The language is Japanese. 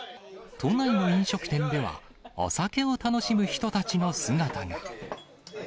都内の飲食店では、お酒を楽しむ人たちの姿が。